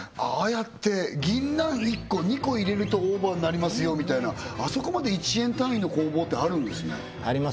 やって銀杏１個２個入れるとオーバーになりますよみたいなあそこまで１円単位の攻防ってあるんですねありますね